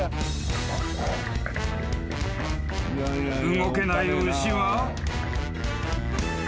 ［動けない牛は］